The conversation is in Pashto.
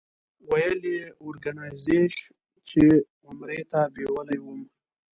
ویل یې اورګنایزیش چې عمرې ته بېولې وم.